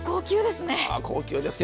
高級ですよ。